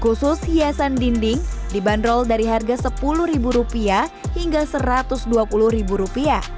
khusus hiasan dinding dibanderol dari harga sepuluh ribu rupiah hingga satu ratus dua puluh ribu rupiah